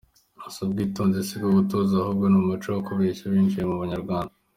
Si ubwitonzi si no gutuza ahubwo ni umuco wo kubeshya winjiye mu banyarwanda.